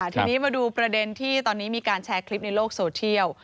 ทีนี้มาดูประเด็นที่ตอนนี้มีการแชร์คลิปในโลกโซเทียล